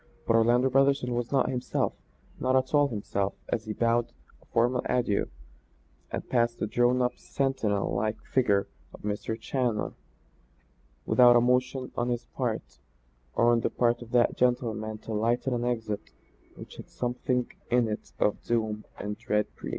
But Orlando Brotherson was not himself, not at all himself as he bowed a formal adieu and withdrew past the drawn up sentinel like figure of Mr. Challoner, without a motion on his part or on the part of that gentleman to lighten an exit which had something in it of doom and dread presage.